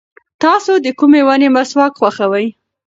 تاسو د کومې ونې مسواک خوښوئ؟